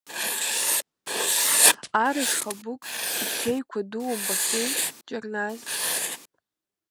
Арыш Хабыгә иҽеиқәа-ду умбахьеи, Џьарназ?